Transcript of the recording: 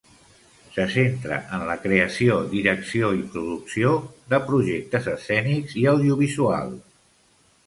Se centra en la creació, direcció i producció de projectes escènics i audiovisuals.